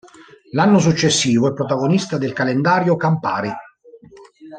L'anno successivo è protagonista del calendario "Campari".